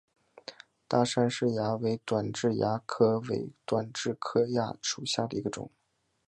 大杉氏蚜为短痣蚜科伪短痣蚜属下的一个种。